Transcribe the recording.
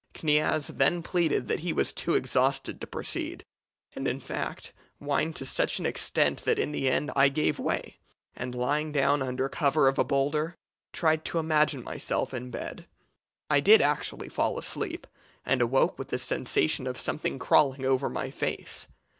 Kniaz then pleaded that he was too exhausted to proceed, and, in fact, whined to such an extent that in the end I gave way, and lying down under cover of a boulder, tried to imagine myself in bed. I did actually fall asleep, and awoke with the sensation of something crawling over my face.